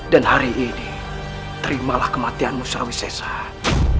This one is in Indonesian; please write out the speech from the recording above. dan hari ini terimalah kematianmu selawis sesar